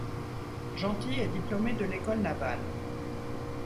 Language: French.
Gentil est diplômé de l'École navale.